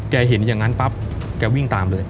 เห็นอย่างนั้นปั๊บแกวิ่งตามเลย